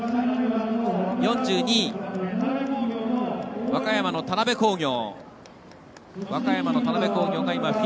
４２位、和歌山の田辺工業。